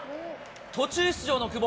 途中出場の久保。